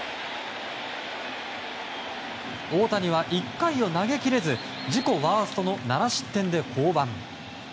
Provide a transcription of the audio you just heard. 大谷は１回を投げ切れず自己ワーストの７失点で降板。